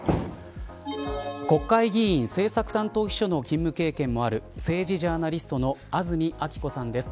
国会議員政策担当秘書の勤務経験もある政治ジャーナリストの安積明子さんです。